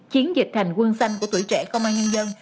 chiến dịch thành quân xanh của tụi trẻ công an nhân dân